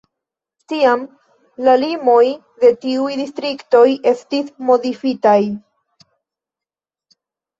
Tiam la limoj de tiuj distriktoj estis modifitaj.